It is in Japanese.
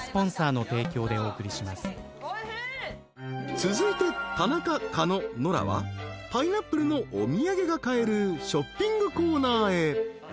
［続いて田中狩野ノラはパイナップルのお土産が買えるショッピングコーナーへ］